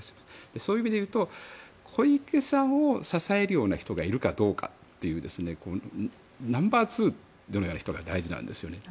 そういう意味でいうと小池さんを支えるような人がいるかどうかというナンバーツーのような人が大事なんですよね。